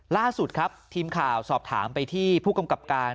ล่าสุดครับทีมข่าวสอบถามไปที่ผู้กำกับการ